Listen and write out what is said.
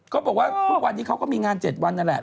เขาบอกว่าทุกวันนี้เขาก็มีงาน๗วันนั่นแหละ